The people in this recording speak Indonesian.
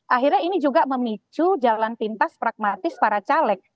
akhirnya ini juga memicu jalan pintas pragmatis para caleg